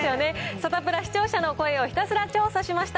サタプラ、視聴者の声をひたすら調査しました！